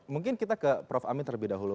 mungkin kita ke prof amin terlebih dahulu